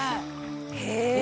へえ！